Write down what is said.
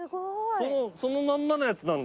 そのまんまのやつなんだ。